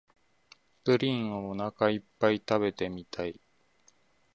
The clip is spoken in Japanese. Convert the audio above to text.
プリンをおなかいっぱい食べてみたい